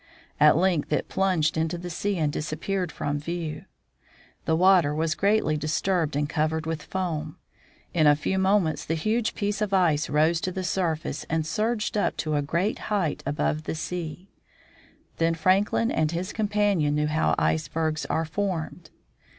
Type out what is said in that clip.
At length it plunged into the sea and disappeared from view. The water was greatly disturbed and covered with foam. In a few moments the huge piece of ice rose to the surface and surged up to a great height above the sea. Then Franklin and his companion knew how icebergs are formed.